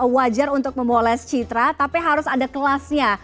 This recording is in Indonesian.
wajar untuk memoles citra tapi harus ada kelasnya